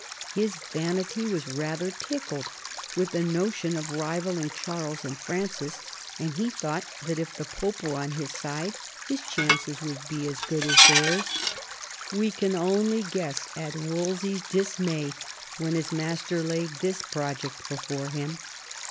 His vanity was rather tickled with the notion of rivalling Charles and Francis, and he thought that if the Pope were on his side, his chances would be as good as theirs. We can only guess at Wolsey's dismay when his master laid this project before him.